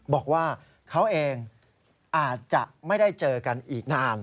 บอกว่าเขาเองอาจจะไม่ได้เจอกันอีกนาน